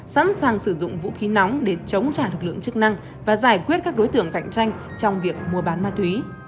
sẵn sàng sử dụng vũ khí nóng để chống trả lực lượng chức năng và giải quyết các đối tượng cạnh tranh trong việc mua bán ma túy